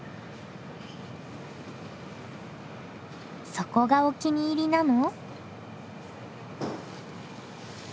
そこがお気に入りなの？